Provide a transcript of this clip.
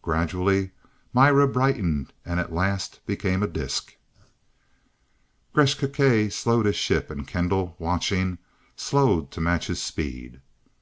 Gradually Mira brightened, and at last became a disc. Gresth Gkae slowed his ships, and Kendall, watching, slowed to match his speed.